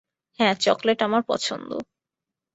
হ্যাঁ, চকলেট আমার পছন্দ।